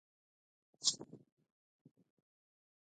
هغوی د تعلیم دروازه تړلې پرېښوده.